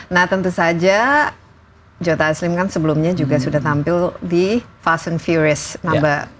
nah tentu saja joe taslim kan sebelumnya juga sudah tampil di fast and furious no enam